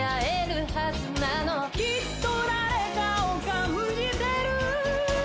「きっと誰かを感じてる」